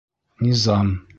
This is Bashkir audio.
Низам